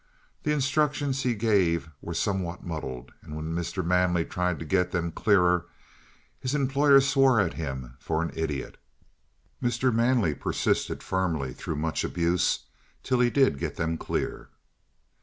The instructions he gave were somewhat muddled; and when Mr. Manley tried to get them clearer, his employer swore at him for an idiot. Mr. Manley persisted firmly through much abuse till he did get them clear.